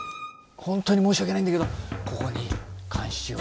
本当に申し訳ないんだけどここに監視用。